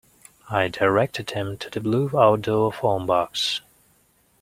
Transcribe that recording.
I directed him to the blue outdoor phone box.